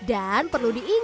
dan perlu diperhatikan